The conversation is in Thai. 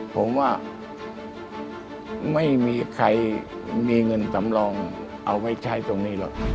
ผมว่าไม่มีใครมีเงินสำรองเอาไว้ใช้ตรงนี้หรอก